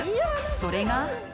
それが。